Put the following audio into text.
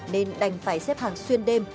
nên đành phải xếp hàng xuyên đêm